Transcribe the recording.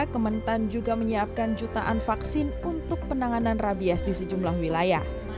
kementan juga menyiapkan jutaan vaksin untuk penanganan rabies di sejumlah wilayah